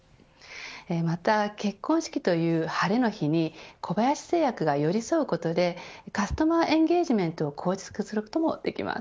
また結婚式という晴れの日に小林製薬が寄り添うことでカスタマー・エンゲージメントを構築することもできます。